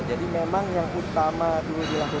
jadi memang yang utama perlu dilakukan